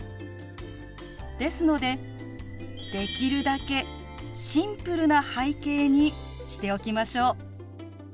ですのでできるだけシンプルな背景にしておきましょう。